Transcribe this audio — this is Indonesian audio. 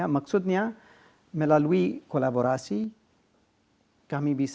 maksudnya melalui kolaborasi